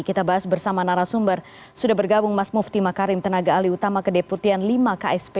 kita bahas bersama narasumber sudah bergabung mas mufti makarim tenaga alih utama kedeputian lima ksp